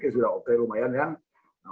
sudah oke lumayan ya